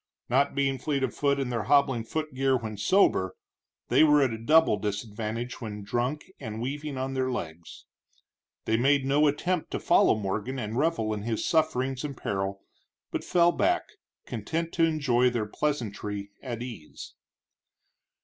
Not being fleet of foot in their hobbling footgear when sober, they were at a double disadvantage when drunk and weaving on their legs. They made no attempt to follow Morgan and revel in his sufferings and peril, but fell back, content to enjoy their pleasantry at ease.